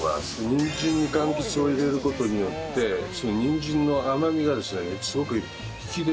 にんじんに柑橘を入れる事によってにんじんの甘みがですねすごく引き出てきますね。